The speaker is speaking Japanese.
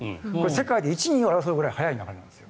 世界で一、二を争うくらい速い流れなんです。